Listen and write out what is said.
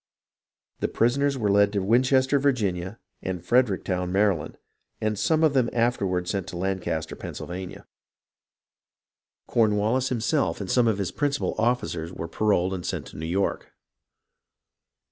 The prisoners were led to Winchester, Vir ginia, and Fredericktown, Maryland, and some of them were afterward sent to Lancaster, Pennsylvania. Corn THE SURRENDER OF CORNWALLIS 383 wallis himself and some of his principal officers were paroled and sent to New York.